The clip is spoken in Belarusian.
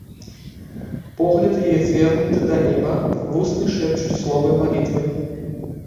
Погляд яе звернуты да неба, вусны шэпчуць словы малітвы.